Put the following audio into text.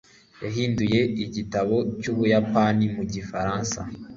yahinduye igitabo cy'ubuyapani mu gifaransa